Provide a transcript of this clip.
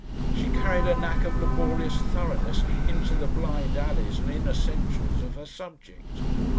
She carried a knack of laborious thoroughness into the blind alleys and inessentials of her subject.